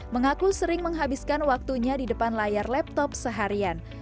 mengaku sering menghabiskan waktunya di depan layar laptop seharian